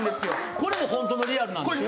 これもほんとのリアルなんですか？